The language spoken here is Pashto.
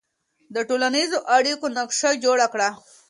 د ټولنیزو اړیکو نقشه جوړه کړه.